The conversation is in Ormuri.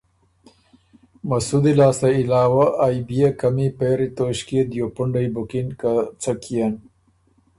مسُودی لاسته علاوۀ ائ بيې قمی پېری توݭکيې دیوپُنډئ بُکِن که څۀ کيېن،